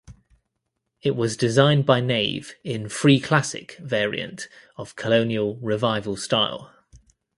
It was designed by Nave in "free classic" variant of Colonial Revival style.